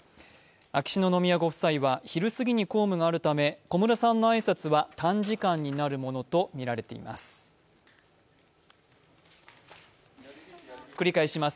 秋篠宮ご夫妻は昼すぎに公務があるため小室さんの挨拶は短時間になるものとみられています。